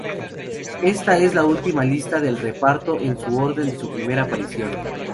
Esta es la última lista del reparto en orden de su primera aparición.